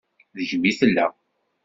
Deg-m i tella.